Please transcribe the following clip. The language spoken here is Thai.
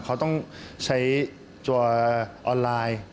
เขาต้องใช้ตัวออนไลน์